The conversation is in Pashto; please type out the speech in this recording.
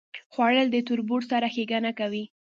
خوړل د تربور سره ښېګڼه کوي